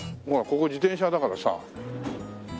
ほらここ自転車屋だからさ。